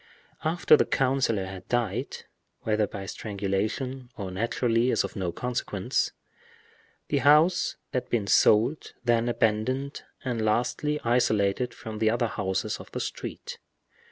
After the councilor had died—whether by strangulation or naturally is of no consequence—the house had been sold, then abandoned, and lastly isolated from the other houses of the street.